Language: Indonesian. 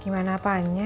gimana pak kata dokternya